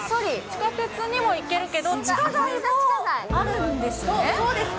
地下鉄にも行けるけど、あるんですね。